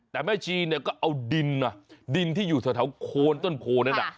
แต่แม่ชีก็เอาดินที่อยู่ทะเทาโค้นต้นโพนั้น